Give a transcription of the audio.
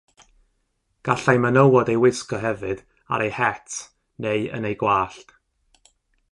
Gallai menywod ei wisgo hefyd ar eu het neu yn eu gwallt.